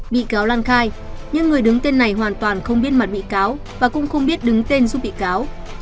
bị cáo lan khai nhưng người đứng tên này hoàn toàn không biết mặt bị cáo và cũng không biết đứng tên giúp bị cáo